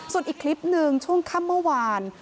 ส่วนอีกคลิปหนึ่งช่วงค่ำเมื่อวาน